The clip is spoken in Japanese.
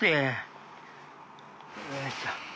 よいしょ。